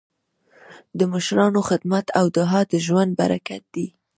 د مشرانو خدمت او دعا د ژوند برکت دی.